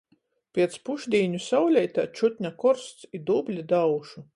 Piec pušdīņu sauleitē čutna korsts i dubli da aušu.